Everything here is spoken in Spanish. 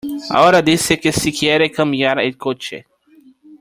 Ahora dice que se quiere cambiar el coche.